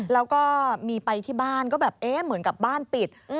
แล้วก็มีไปที่บ้านก็แบบเอ๊ะเหมือนกับบ้านปิด